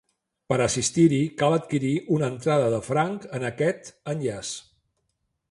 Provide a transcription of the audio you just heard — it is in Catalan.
Per assistir-hi cal adquirir una entrada de franc en aquest enllaç.